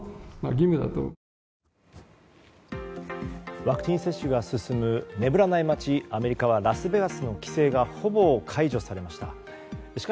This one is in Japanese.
ワクチン接種が進む眠らない街、アメリカはラスベガスの規制がほぼ解除されました。